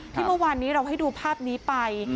ที่เมื่อวานนี้เราให้ดูภาพนี้ไป